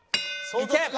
いけ！